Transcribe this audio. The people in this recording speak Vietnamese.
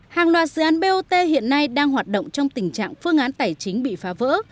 hàng loạt dự án bot hiện nay đang hoạt động trong tình trạng phương án tài chính bị phá vỡ